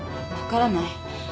分からない。